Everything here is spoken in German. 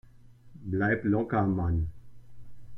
Bleib locker, Mann